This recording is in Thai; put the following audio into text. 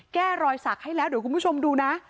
แก้รอยสักให้แล้วเดี๋ยวคุณผู้ชมดูนะ